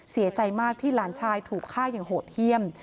เสียใจมากที่หลานชายถูกฆ่าอย่างโหดเยี่ยม